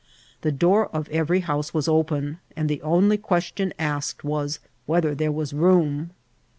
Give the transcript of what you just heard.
The door of every house was open, and die only questioB asked was whether there was room.